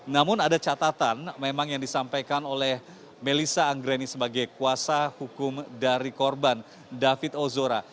namun ada catatan memang yang disampaikan oleh melissa anggreni sebagai kuasa hukum dari korban david ozora